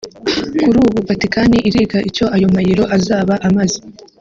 Kuri ubu Vatikani iriga icyo ayo mayero azaba amaze